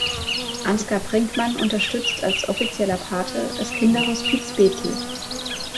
Ansgar Brinkmann unterstützt als offizieller Pate das Kinderhospiz Bethel.